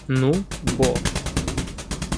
— Ну, бо.